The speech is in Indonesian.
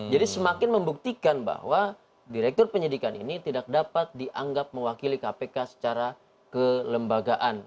jadi semakin membuktikan bahwa direktur penyelidikan ini tidak dapat dianggap mewakili kpk secara kelembagaan